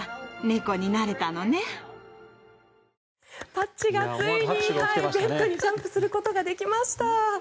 パッチがついにベッドにジャンプすることができました。